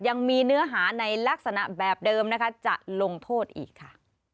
ยังมีเนื้อหาในลักษณะแบบเดิมนะคะจะลงโทษอีกค่ะ